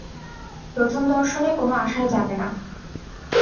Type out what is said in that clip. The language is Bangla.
প্রথম দর্শনে কোন আশাই জাগে না।